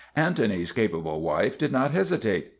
Antony's capable wife did not hesitate.